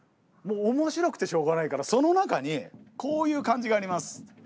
もう面白くてしょうがないからその中にこういう漢字があります。